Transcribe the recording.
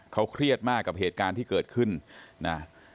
เขาเครียดมากกับเหตุการณ์ที่เกิดขึ้นนะ